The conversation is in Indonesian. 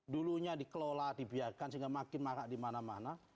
dulunya dikelola dibiarkan sehingga makin marah dimana mana